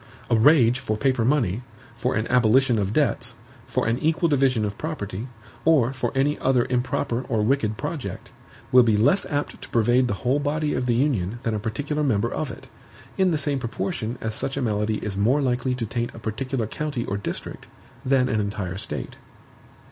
A rage for paper money, for an abolition of debts, for an equal division of property, or for any other improper or wicked project, will be less apt to pervade the whole body of the Union than a particular member of it; in the same proportion as such a malady is more likely to taint a particular county or district, than an entire State.